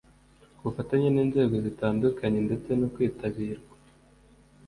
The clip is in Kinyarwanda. ku bufatanye n'inzego zitandukanye ndetse no kwitabirwa